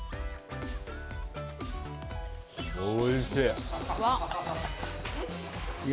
おいしい。